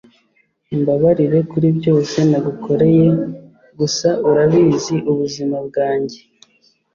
umbabarire kuri byose nagukoreye gusa urabizi ubuzima bwanjye